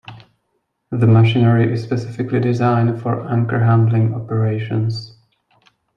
The machinery is specifically designed for anchor handling operations.